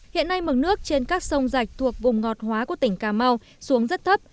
hiện nay mực nước trên các sông rạch thuộc vùng ngọt hóa của tỉnh cà mau xuống rất thấp